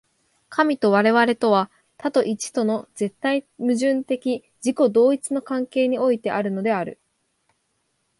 神と我々とは、多と一との絶対矛盾的自己同一の関係においてあるのである。